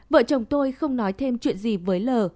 vợ chồng tôi không nói thêm chuyện gì với l